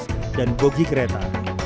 kebraf dan bogi kereta